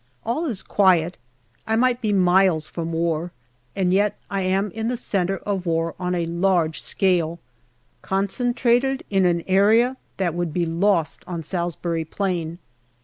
All is quiet ; I might be miles from war, and yet I am in the centre of war on a large scale, concentrated in an area that would be lost on Salisbury Plain.